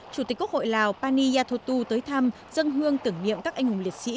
chủ tịch quốc hội lào pani yathotu tới thăm dân hương tưởng niệm các anh hùng liệt sĩ